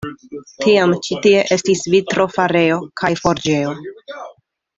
Tiam ĉi tie estis vitrofarejo kaj forĝejo.